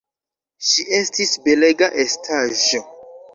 Ŝi estis belega estaĵo.